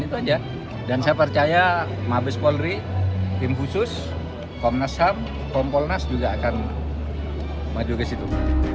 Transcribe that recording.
itu aja dan saya percaya mabes polri tim khusus komnas ham kompolnas juga akan maju ke situ